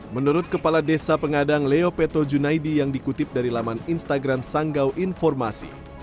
menurut kepala desa pengadang leo peto junaidi yang dikutip dari laman instagram sanggau informasi